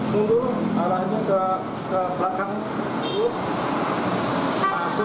mundur arahnya ke